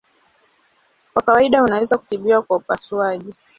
Kwa kawaida unaweza kutibiwa kwa upasuaji.